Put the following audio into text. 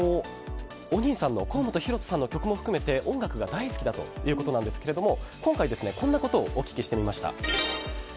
お兄さんの甲本ヒロトさんの曲も含めて音楽が大好きだということなんですが今回、こんなことをお聞きしてみました。